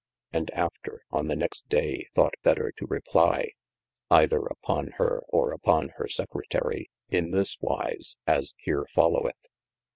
And after on the next day thought better to replie, either upon hirt or upgonjiir Secre tary in thisTvise as here followeth.